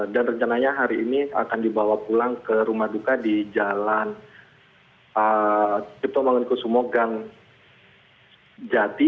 dan rencananya hari ini akan dibawa pulang ke rumah duka di jalan kipto mangun kusumogang jati